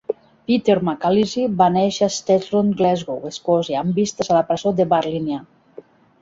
Peter McAleese va néixer a Shettleston, Glasgow, Escòcia, amb vistes a la presó de Barlinnie.